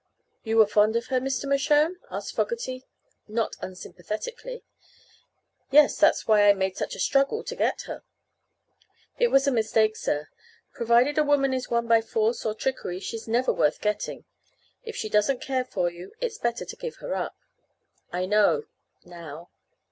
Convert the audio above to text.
"You were fond of her, Mr. Mershone?" asked Fogerty, not unsympathetically. "Yes. That was why I made such a struggle to get her." "It was a mistake, sir. Provided a woman is won by force or trickery she's never worth getting. If she doesn't care for you it's better to give her up." "I know now."